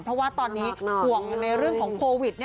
เพราะว่าตอนนี้ห่วงอยู่ในเรื่องของโควิด